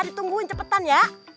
ditungguin cepetan ya